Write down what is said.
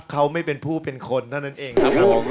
เขาไม่เป็นผู้เป็นคนนั่นเองครับครับ